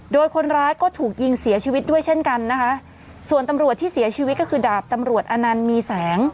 โดยคนร้ายก็ถูกยิงเสียชีวิตด้วยเช่นกันนะคะส่วนตำรวจที่เสียชีวิตก็คือดาบตำรวจอนันต์มีแสง